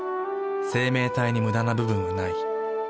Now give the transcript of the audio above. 生命体にムダな部分はない。